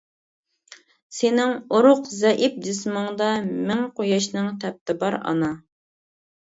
سېنىڭ ئورۇق، زەئىپ جىسمىڭدا، مىڭ قۇياشنىڭ تەپتى بار ئانا.